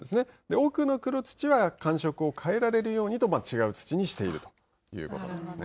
奥の黒土は、感触を変えられるようにと違う土にしているということなんですね。